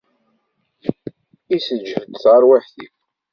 Isseǧhad tarwiḥt-iw.